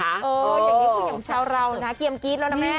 อย่างนี้คืออย่างชาวเรานะเกียมกรี๊ดแล้วนะแม่